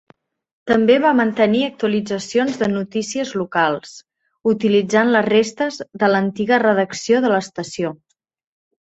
També va mantenir actualitzacions de notícies locals, utilitzant les restes de l'antiga redacció de l'estació.